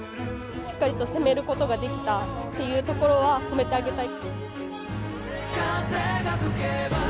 しっかりと攻めることができたというところは褒めてあげたい。